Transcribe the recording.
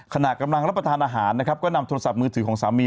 ขณะกำลังรับประทานอาหารนะครับก็นำโทรศัพท์มือถือของสามี